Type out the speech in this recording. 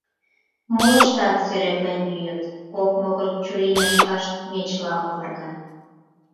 Молыштат сырӧплен йӱыт, кок могыр чурийначкашт мечыла оварга.